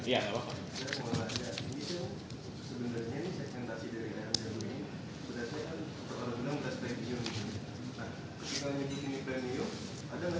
ya tidak apa apa